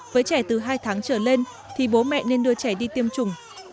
với trẻ từ hai tháng trở lên thì bố mẹ nên đưa trẻ đi tiêm chủng